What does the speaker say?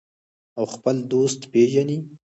او خپل دوست پیژني.